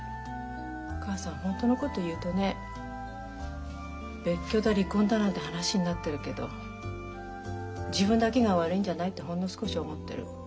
お母さんホントのこと言うとね別居だ離婚だなんて話になってるけど自分だけが悪いんじゃないってほんの少し思ってる。